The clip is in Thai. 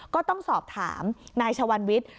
ก็ต้องสอบถามนายชวันวิทย์